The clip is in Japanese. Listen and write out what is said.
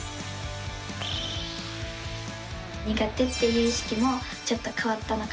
苦手っていう意識もちょっと変わったのかなと。